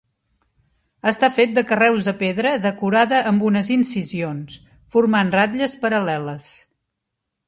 Està fet de carreus de pedra decorada amb unes incisions, formant ratlles paral·leles.